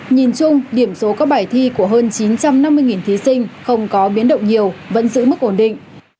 nhìn chung điểm số các bài thi của hơn chín trăm năm mươi thí sinh không có biến động nhiều vẫn giữ mức ổn định